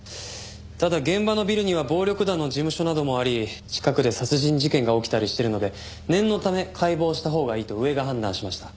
ただ現場のビルには暴力団の事務所などもあり近くで殺人事件が起きたりしてるので念のため解剖したほうがいいと上が判断しました。